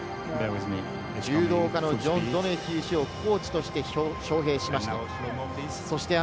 柔道家のジョン・ドネヒュー氏をコーチとして招聘しました。